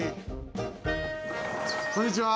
こんにちは。